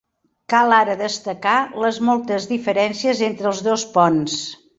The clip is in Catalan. Cal ara destacar les moltes diferències entre els dos ponts.